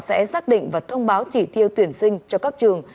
sẽ xác định và thông báo chỉ tiêu tuyển sinh cho các trường